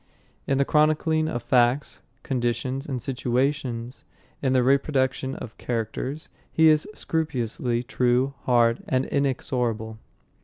In the chronicling of facts, conditions, and situations, in the reproduction of characters, he is scrupulously true, hard, and inexorable.